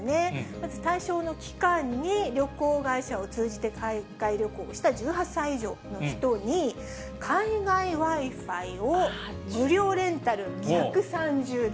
まず、対象の期間に旅行会社を通じて海外旅行をした１８歳以上の人に、海外Ｗｉ−Ｆｉを無料レンタル１３０台。